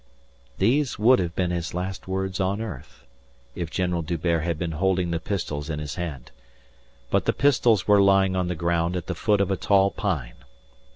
These would have been his last words on earth if General D'Hubert had been holding the pistols in his hand. But the pistols were lying on the ground at the foot of a tall pine.